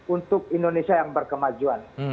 untuk indonesia yang berkemajuan